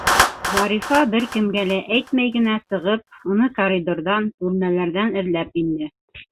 Зарифа, бер кемгә әйтмәй генә сығып, уны коридорҙан, бүлмәләрҙән эҙләп инде.